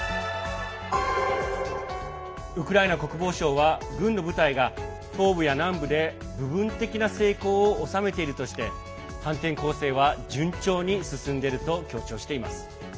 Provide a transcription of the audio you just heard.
ウクライナ国防省は軍の部隊が東部や南部で部分的な成功を収めているとして反転攻勢は順調に進んでいると強調しています。